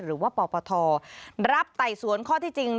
หรือว่าปปทรับไต่สวนข้อที่จริง